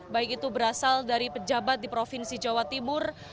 baik itu berasal dari pejabat di provinsi jawa timur